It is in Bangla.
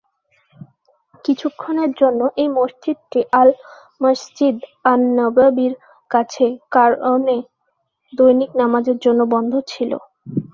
কিছুক্ষণের জন্য, এই মসজিদটি আল-মসজিদ আন-নবাবীর কাছে কারণে দৈনিক নামাজের জন্য বন্ধ ছিল।